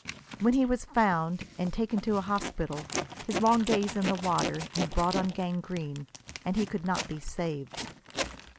When he was found and taken to a hospital his long days in the water had brought on gangrene and he could not be saved.